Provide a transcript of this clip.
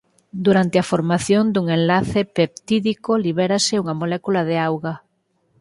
Durante a formación dun enlace peptídico libérase unha molécula de auga.